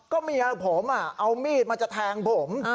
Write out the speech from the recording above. ก็เมียผมเอามีดมาจะแทงผม